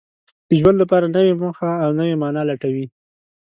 د ژوند لپاره نوې موخه او نوې مانا لټوي.